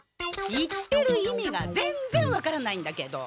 言ってる意味がぜんぜん分からないんだけど。